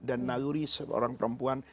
dan naluri seorang perempuan